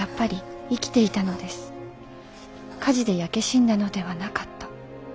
火事で焼け死んだのではなかった。